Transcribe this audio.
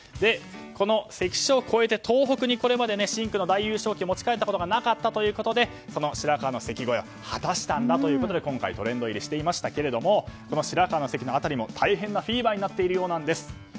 この関所を越えて東北にこれまで深紅の大優勝旗を持ち帰ったことがなかったということで白河の関越えを達成したと今回、トレンド入りしていましたけれどもこの白河の関の辺りも大変なフィーバーになっているそうなんです。